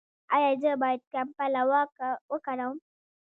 ایا زه باید کمپله وکاروم؟